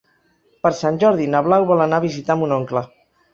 Per Sant Jordi na Blau vol anar a visitar mon oncle.